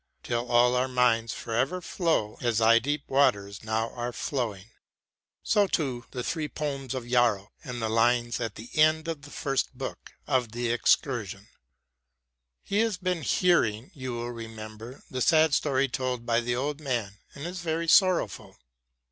Till all our minds for ever flow As thy deep waters now are flowing. So too the three poems on Yarrow, and the lines at the end of the first book of the " Excursion." *" The Excursion," iv. 1058 77. WORDSWORTH AS A TEACHER 119 He has been hearing, you will remember, the sad story told by the old man, and is very sorrowful.